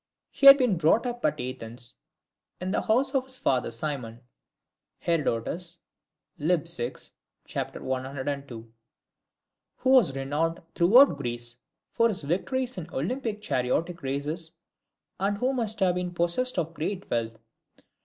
He had been brought up at Athens in the house of his father Cimon, [Herodotus, lib. vi. c. 102] who was renowned throughout Greece for his victories in the Olympic chariot races, and who must have been possessed of great wealth.